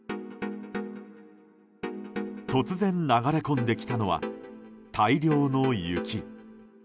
突然流れ込んできたのは大量の雪。